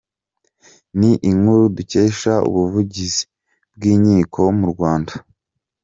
Ni inkuru dukesha ubuvugizi bw’Inkiko mu Rwanda.